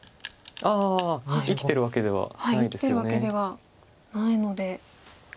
あ生きてるわけではないですよね。